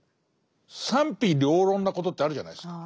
賛否両論なことってあるじゃないですか。